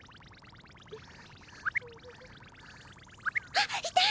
あっいた！